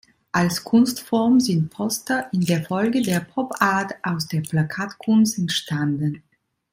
Als Kunstform sind Poster in der Folge der Pop-Art aus der Plakatkunst entstanden.